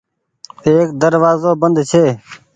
ايڪ دروآزو بند ڇي۔